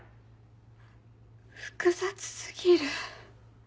複雑過ぎる。